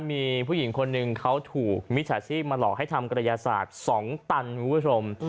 มีผู้หญิงคนหนึ่งเขาถูกมิจฉาชีพมาหลอกให้ทำกระยาศาสตร์๒ตันคุณผู้ชม